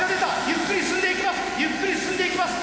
ゆっくり進んでいきます！